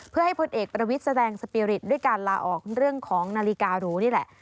เพื่อให้พลเอกประวิทย์แสดงสปีริตด้วยการลาออกเรื่องของนาฬิการูนี่แหละ